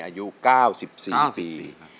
อายุ๙๔ปี